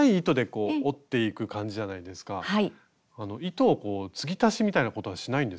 糸をこう継ぎ足しみたいなことはしないんですか？